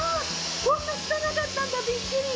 こんな汚かったんだビックリ。